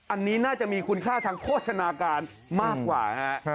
อันนี้น่าจะมีคุณค่าทางโภชนาการมากกว่าฮะ